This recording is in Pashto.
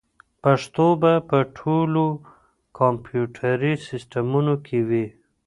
پښتو به په ټولو کمپیوټري سیسټمونو کې وي.